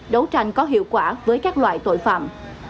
đấu tranh có hiệu quả với các loại tội phạm